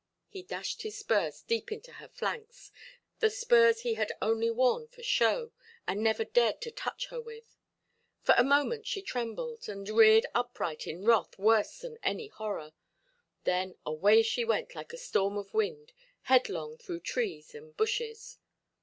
He dashed his spurs deep into her flanks, the spurs he had only worn for show, and never dared to touch her with. For a moment she trembled, and reared upright in wrath worse than any horror; then away she went like a storm of wind, headlong through trees and bushes.